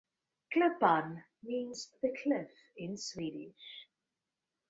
"Klippan" means "the Cliff" in Swedish.